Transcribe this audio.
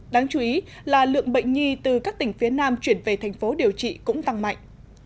đáng chú ý là lượng bệnh nhi từ các tỉnh phía nam chuyển về tp hcm cũng tăng mạnh